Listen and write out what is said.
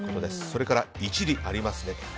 それから、一理ありますねと。